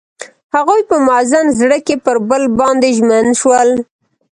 هغوی په موزون زړه کې پر بل باندې ژمن شول.